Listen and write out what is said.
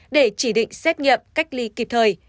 để chỉ định xét nghiệm cách ly kịp thời